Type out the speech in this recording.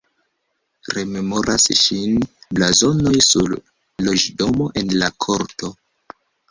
Rememoras ŝin blazonoj sur loĝdomo en la korto.